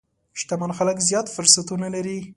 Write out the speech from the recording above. شتمن خلک زیات فرصتونه لري.